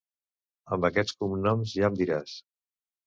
Amb aquests cognoms, ja em diràs.